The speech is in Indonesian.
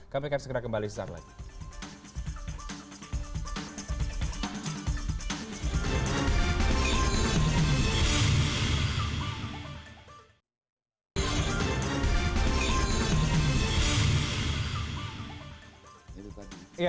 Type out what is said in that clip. kami akan segera kembali sesaat lagi